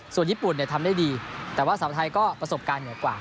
ส่วนญี่ปุ่นทำได้ดีแต่ว่าสาวไทยก็ประสบการณ์เหนือกว่า